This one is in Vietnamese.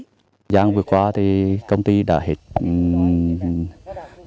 năm hai nghìn một mươi một công ty đông trường sơn được cấp giấy phép thăm dò khoáng sản ở khu vực đồi núi apb của xã hồng thủy